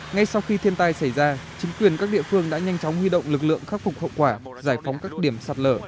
ngay sau khi thiên tai xảy ra chính quyền các địa phương đã nhanh chóng huy động lực lượng khắc phục hậu quả giải phóng các điểm sạt lở